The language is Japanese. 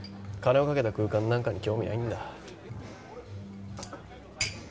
金をかけた空間なんかに興味ないんだ。